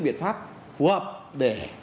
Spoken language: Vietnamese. biện pháp phù hợp để